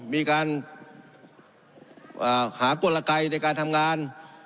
มีการหากลัวละกัยในการทำงาน